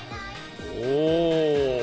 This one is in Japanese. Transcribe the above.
おお！